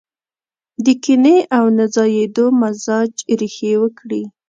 د کينې او نه ځايېدو مزاج ريښې وکړي.